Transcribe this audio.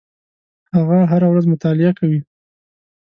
هغه هره ورځ مطالعه کوي.